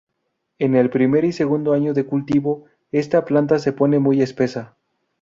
En el primer y segundo año de cultivo, esta planta se pone muy espesa.